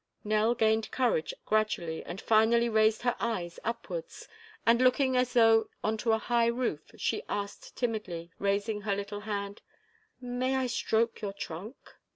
Nell gained courage gradually and finally raised her eyes upwards and, looking as though onto a high roof she asked timidly, raising her little hand: "May I stroke your trunk?"